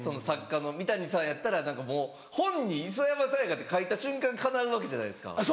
作家の三谷さんやったら何かもう本に磯山さやかって書いた瞬間かなうわけじゃないですか。